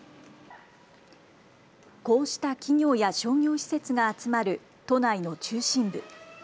こうした企業や商業施設が集まる都内の中心部。